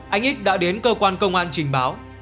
anh x đã đến cơ quan công an trình báo